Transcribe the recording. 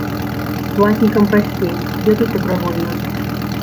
Платнікам прасцей, едуць дабравольна.